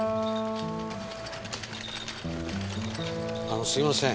あのすいません。